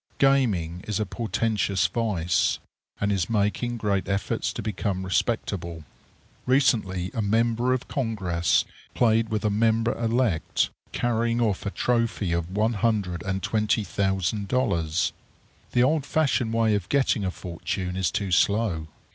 Gaming is a portentous vice, and is making great efforts to become respectable. Recently a member of Congress played with a member elect, carrying off a trophy of one hundred and twenty thousand dollars. The old fashioned way of getting a fortune is too slow!